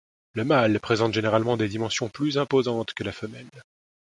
Le mâle présente généralement des dimensions plus imposantes que la femelle.